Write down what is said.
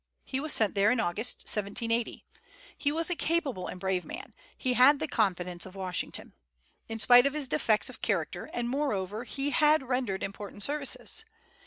He was sent there in August, 1780. He was a capable and brave man; he had the confidence of Washington, in spite of his defects of character, and moreover he had rendered important services.